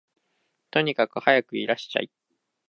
とにかくはやくいらっしゃい